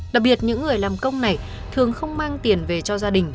đặc biệt những người làm công này thường không mang tiền về cho gia đình